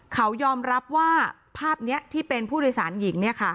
เขายอมรับว่าภาพนี้ที่เป็นผู้โดยสารหญิง